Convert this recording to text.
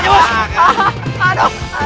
ini diapain ini bro